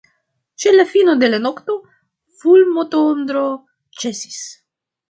Ĉe la fino de la nokto fulmotondro ĉesis.